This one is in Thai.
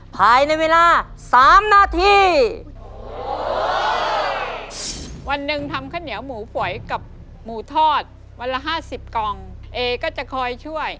ปั่นเดียวไปเลยครับ